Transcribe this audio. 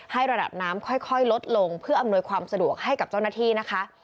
ระดับน้ำค่อยลดลงเพื่ออำนวยความสะดวกให้กับเจ้าหน้าที่นะคะ